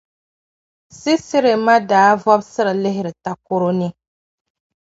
Sisɛra ma daa vɔbisiri lihiri takɔro ni.